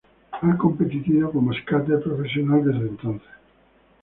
Ha competido como skater profesional desde entonces.